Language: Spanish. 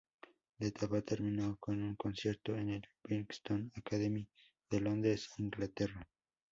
La etapa terminó con un concierto en el Brixton Academy de Londres, Inglaterra.